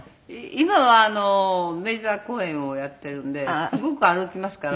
今は『梅沢公演』をやっているんですごく歩きますから。